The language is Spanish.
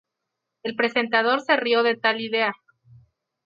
El presentador se rio de tal idea.